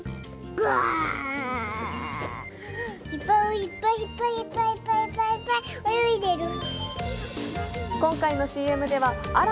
いっぱいいっぱいいっぱいいっぱい泳いでる。